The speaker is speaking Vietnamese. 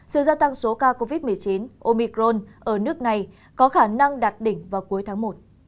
sự gia tăng số ca covid một mươi chín omicron ở nước này có khả năng đạt đỉnh vào cuối tháng một